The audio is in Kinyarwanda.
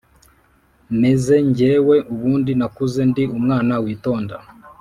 meze jyewe ubundi nakuze ndi umwana witonda